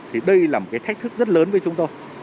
thì đây là một cái thách thức rất lớn với chúng tôi